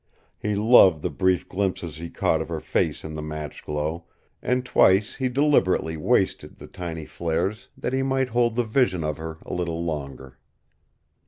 He loved the brief glimpses he caught of her face in the match glow, and twice he deliberately wasted the tiny flares that he might hold the vision of her a little longer.